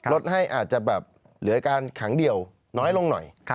ลดให้อาจจะแบบเหลือการขังเดี่ยวน้อยลงหน่อย